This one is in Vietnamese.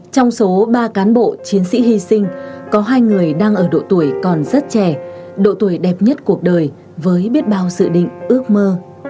trong số ba cán bộ chiến sĩ hy sinh có hai người đang ở độ tuổi còn rất trẻ độ tuổi đẹp nhất cuộc đời với biết bao dự định ước mơ